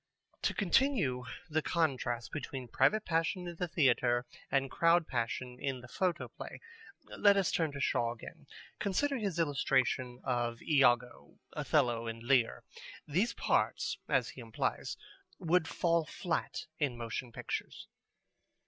To continue the contrast between private passion in the theatre and crowd passion in the photoplay, let us turn to Shaw again. Consider his illustration of Iago, Othello, and Lear. These parts, as he implies, would fall flat in motion pictures.